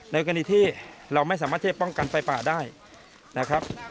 กรณีที่เราไม่สามารถที่จะป้องกันไฟป่าได้นะครับ